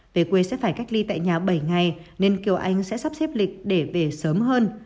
về quê sẽ phải cách ly tại nhà bảy ngày nên kiều anh sẽ sắp xếp lịch để về sớm hơn